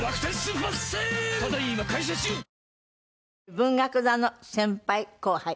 文学座の先輩後輩。